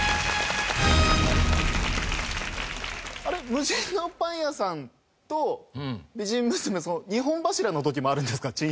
あれ無人のパン屋さんと美人娘２本柱の時もあるんですか？